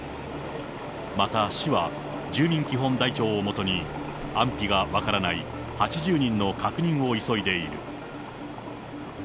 また市は、住民基本台帳を基に、安否が分からない８０人の確認を急いでいる。